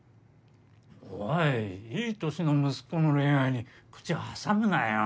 おいいい年の息子の恋愛に口挟むなよ。